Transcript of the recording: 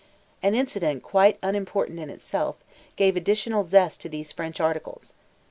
An incident quite unimportant in itself, gave additional zest to these French articles.